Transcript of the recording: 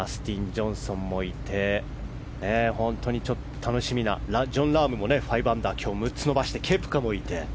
ダスティン・ジョンソンもいて楽しみなジョン・ラームも５アンダー、６つ伸ばしてケプカもいて。